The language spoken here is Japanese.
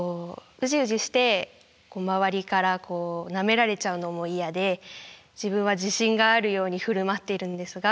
ウジウジして周りからこうなめられちゃうのも嫌で自分は自信があるように振る舞っているんですが。